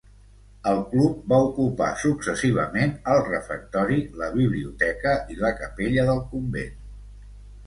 El club va ocupar successivament el refectori, la biblioteca i la capella del convent.